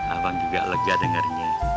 abang juga lega dengarnya